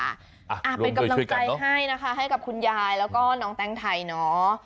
อ่าเป็นกำลังใจให้นะคะให้กับคุณยายแล้วก็น้องแต้งไทยเนาะ